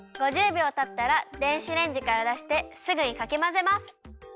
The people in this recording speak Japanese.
びょうたったら電子レンジからだしてすぐにかきまぜます。